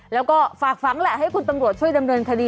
แล้วก็ฝากฝังแหละให้คุณตำรวจช่วยดำเนินคดี